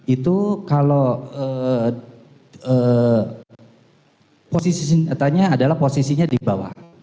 itu kalau posisi senjatanya adalah posisinya di bawah